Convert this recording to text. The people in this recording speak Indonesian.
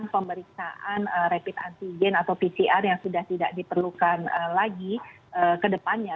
pemeriksaan rapid antigen atau pcr yang sudah tidak diperlukan lagi ke depannya